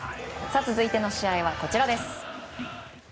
続いての試合は、こちらです。